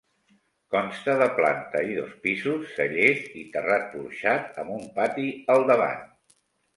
Consta de planta i dos pisos, cellers i terrat porxat amb un pati al davant.